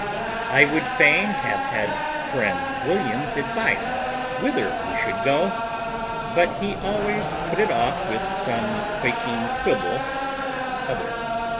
I would fain have had friend William's advice whither we should go, but he always put it off with some quaking quibble or other.